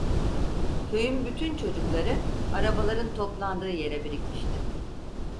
Köyün bütün çocukları arabaların toplandığı yere birikmişti.